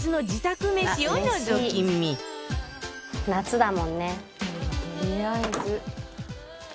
夏だもんね」